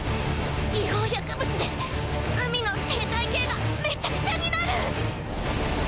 違法薬物で海の生態系がメチャクチャになる！